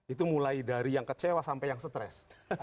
itu mulai dari yang kecewa sampai yang stres